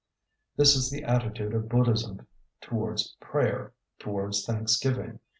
This is the attitude of Buddhism towards prayer, towards thanksgiving.